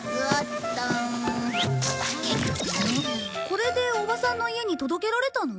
これでおばさんの家に届けられたの？